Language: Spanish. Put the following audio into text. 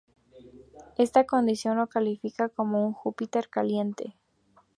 Esta condición lo califica como un Júpiter caliente.